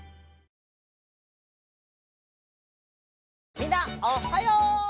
みんなおはよう！